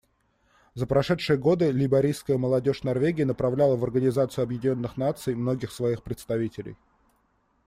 За прошедшие годы лейбористская молодежь Норвегии направляла в Организацию Объединенных Наций многих своих представителей.